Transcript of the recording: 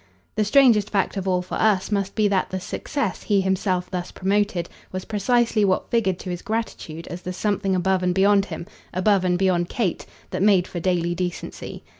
The strangest fact of all for us must be that the success he himself thus promoted was precisely what figured to his gratitude as the something above and beyond him, above and beyond Kate, that made for daily decency.